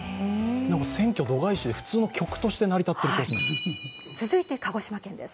選挙度外視で、普通の曲として成り立っている気がします。